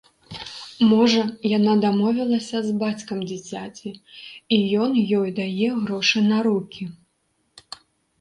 Можа, яна дамовілася з бацькам дзіцяці, і ён ёй дае грошы на рукі.